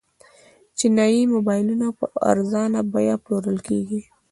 چینايي موبایلونه په ارزانه بیه پلورل کیږي.